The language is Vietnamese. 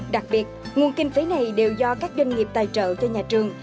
đặc biệt nguồn kinh phí này đều do các doanh nghiệp tài trợ cho nhà trường